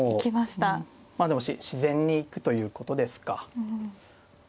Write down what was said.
まあでも自然に行くということですか。